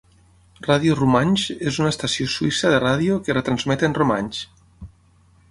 Radio Rumantsch és una estació suïssa de ràdio que retransmet en romanx.